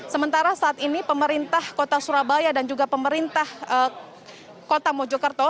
sementara saat ini pemerintah kota surabaya dan juga pemerintah kota mojokerto